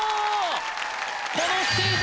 このステージ